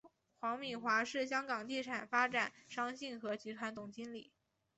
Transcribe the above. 黄敏华是香港地产发展商信和集团总经理。